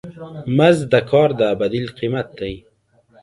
مزد د کار د بدیل قیمت دی.